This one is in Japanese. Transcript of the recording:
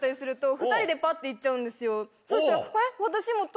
そしたら。